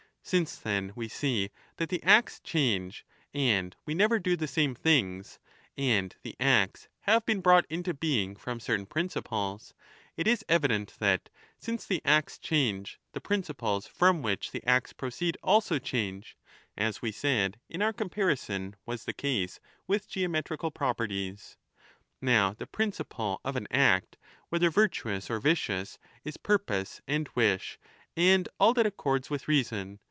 Since, then, we see that the acts change, and we never do 10 the same things, and the acts have been brought into being from certain principles, it is evident that, since the acts change, the principles from which the acts proceed also change, as we said in our comparison was the case with geometrical properties. Now the principle of an act, whether virtuous or vicious, 15 is purpose and wish, and all that accords with reason.